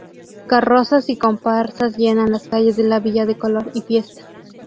Carrozas y comparsas llenan las calles de la villa de color y fiesta.